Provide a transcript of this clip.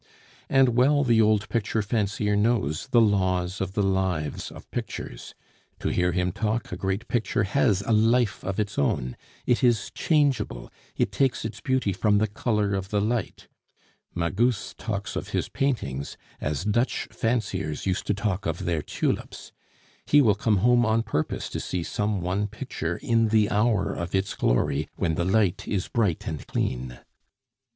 And well the old picture fancier knows the laws of the lives of pictures. To hear him talk, a great picture has a life of its own; it is changeable, it takes its beauty from the color of the light. Magus talks of his paintings as Dutch fanciers used to talk of their tulips; he will come home on purpose to see some one picture in the hour of its glory, when the light is bright and clean.